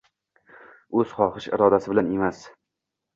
o‘z xohish irodasi bilan emas